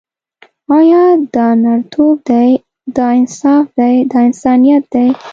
آیا دا نرتوب دی، دا انصاف دی، دا انسانیت دی.